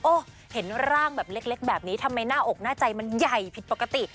เห็นร่างแบบเล็กแบบนี้ทำไมหน้าอกหน้าใจมันใหญ่ผิดปกติ